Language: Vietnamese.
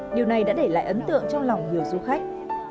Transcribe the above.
điều này đã để lại ấn tượng trong lòng nhiều du khách